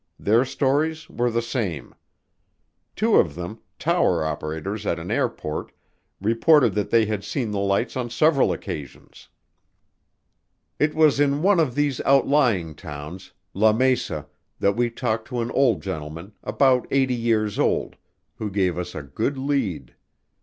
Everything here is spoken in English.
Their stories were the same. Two of them, tower operators at an airport, reported that they had seen the lights on several occasions. It was in one of these outlying towns, Lamesa, that we talked to an old gentleman, about eighty years old, who gave us a good lead.